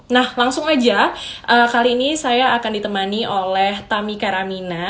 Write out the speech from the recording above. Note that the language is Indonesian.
nah langsung aja kali ini saya akan ditemani oleh tami karamina